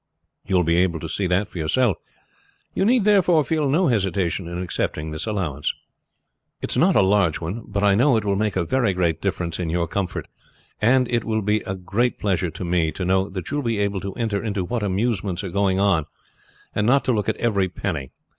You will be able to see that for yourself. You need, therefore, feel no hesitation in accepting this allowance. "It is not a large one; but I know it will make a very great difference in your comfort, and it will be a great pleasure to me to know that you will be able to enter into what amusements are going on and not to look at every penny.